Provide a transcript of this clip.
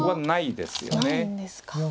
ないんですか。